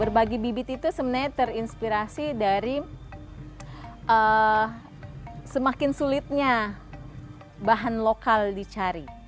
berbagi bibit itu sebenarnya terinspirasi dari semakin sulitnya bahan lokal dicari